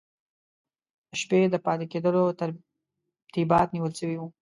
د شپې د پاته کېدلو ترتیبات نیول سوي وو.